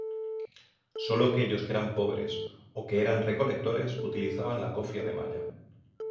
Sólo aquellos que eran pobres o que eran recolectores utilizaban la cofia de malla.